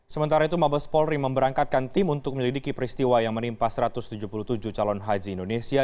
sementara itu mabes polri memberangkatkan tim untuk menyelidiki peristiwa yang menimpa satu ratus tujuh puluh tujuh calon haji indonesia